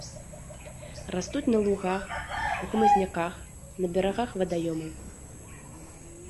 Растуць на лугах, у хмызняках, на берагах вадаёмаў.